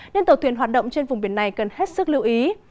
nên tàu thuyền hoạt động trên vùng biển này cần hết sức lưu ý